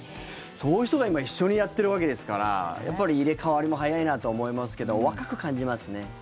そういう人が今、一緒にやってるわけですからやっぱり入れ替わりも早いなと思いますけど、若く感じますね。